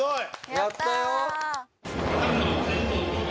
やったよ！